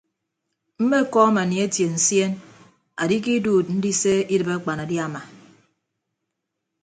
Mmekọọm anietie nsien andikiduud ndise idịb akpanadiama.